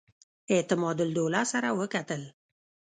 اعتمادالدوله سره وکتل.